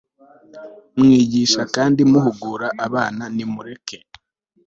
mwigisha kandi muhugura abana Nimureke